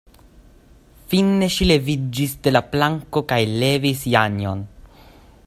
Fine ŝi leviĝis de la planko kaj levis Janjon.